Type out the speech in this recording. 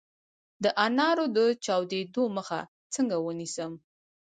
د انارو د چاودیدو مخه څنګه ونیسم؟